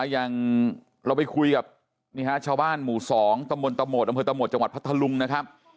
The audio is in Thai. อาอย่างเราไปคุยกับชาวบ้านหมู่๒อำเภอตำรดป์ประทะลุงนะครับ